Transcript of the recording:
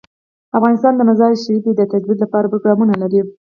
افغانستان د مزارشریف د ترویج لپاره پروګرامونه لري.